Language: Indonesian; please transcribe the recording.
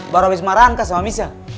baru habis marah angka sama misha